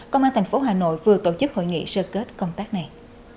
công an thành phố hà nội vừa tổ chức hội nghị sơ kết công tác này